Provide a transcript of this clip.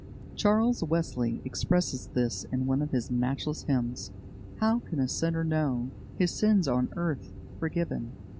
Charles Wesley expresses this in one of his matchless hymns: "How can a sinner know His sins on earth forgiven?